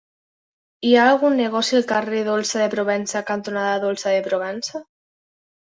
Hi ha algun negoci al carrer Dolça de Provença cantonada Dolça de Provença?